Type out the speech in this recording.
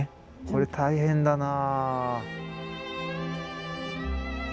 これ大変だな。